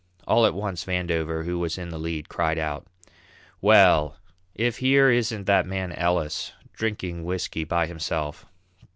All at once Vandover, who was in the lead, cried out: "Well, if here isn't that man Ellis, drinking whisky by himself.